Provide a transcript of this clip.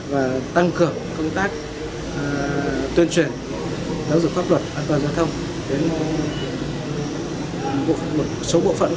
và tăng cường công tác tuyên truyền giáo dục pháp luật an toàn giao thông đến một số bộ phận